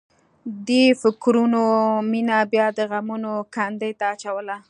دې فکرونو مينه بیا د غمونو کندې ته اچوله